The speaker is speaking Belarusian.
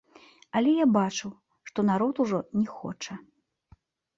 Але я бачыў, што народ ужо не хоча.